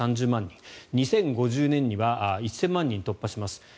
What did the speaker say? ２０５０年には１０００万人を突破します。